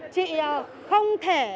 chị không thể